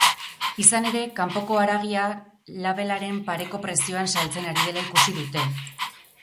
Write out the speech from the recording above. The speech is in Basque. Izan ere, kanpoko haragia labelaren pareko prezioan saltzen ari dela ikusi dute.